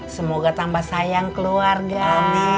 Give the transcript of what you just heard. semoga tambah sayang keluarga